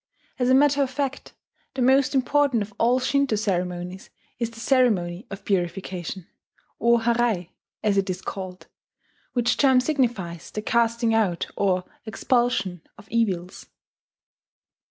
As a matter of fact, the most important of all Shinto ceremonies is the ceremony of purification, o harai, as it is called, which term signifies the casting out or expulsion of evils